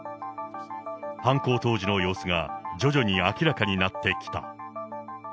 犯行当時の様子が、徐々に明らかになってきた。